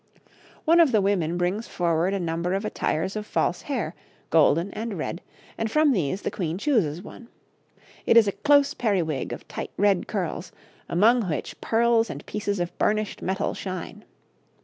One of the women brings forward a number of attires of false hair, golden and red, and from these the Queen chooses one. It is a close periwig of tight red curls, among which pearls and pieces of burnished metal shine.